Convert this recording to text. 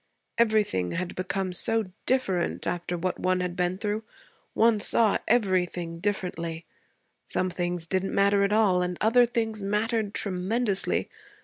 Everything had become so different after what one had been through. One saw everything differently. Some things didn't matter at all, and other things mattered tremendously.